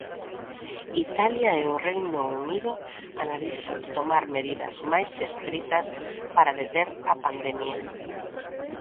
Italia e o Reino Unido analizan tomar medidas máis estritas para deter a pandemia.